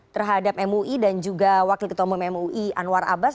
terhadap mui dan juga wakil ketombong mui anwar abbas